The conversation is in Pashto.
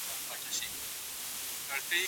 د سياسي پريکړو له امله نوي قوانين رامينځته سول.